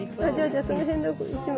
じゃあその辺の一枚。